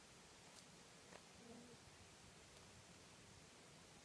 د افغان ملت مدني څېره د حمل پر شپاړلسمه.